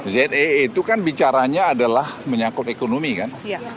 zee itu kan bicaranya adalah menyangkut ekonomi kan